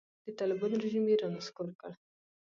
د طالبانو رژیم یې رانسکور کړ.